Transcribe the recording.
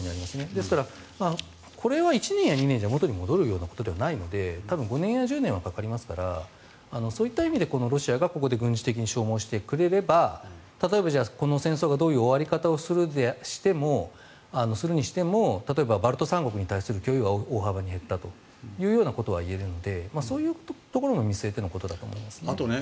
ですから、これは１年や２年で元に戻るようなことではないので多分５年や１０年はかかりますからそういった意味でロシアがここで軍事的に消耗してくれれば例えばこの戦争がどういう終わり方をするにしても例えば、バルト三国に対する脅威が大幅に減ったということはいえるので、そういうところを見据えてのことだと思いますね。